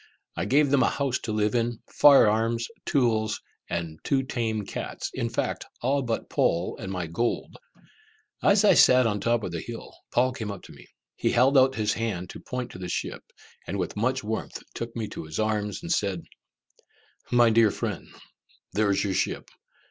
I gave them a house to live in, fire arms, tools, and my two tame cats, in fact, all but Poll and my gold. As I sat on the top of the hill, Paul came up to me. He held out his hand to point to the ship, and with much warmth took me to his arms, and said, "My dear friend, there is your ship!